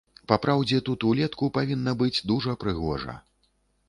Папраўдзе, тут улетку павінна быць дужа прыгожа.